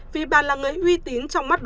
vì bà là người uy tín trong mắt đối xử